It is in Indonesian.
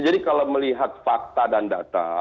jadi kalau melihat fakta dan data